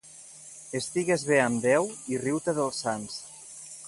Estigues bé amb Déu i riu-te dels sants.